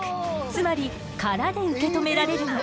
つまり殻で受け止められるの。